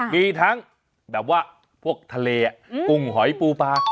มีทั้งแบบว่าพวกทะเลกุ้งหอยปูปลา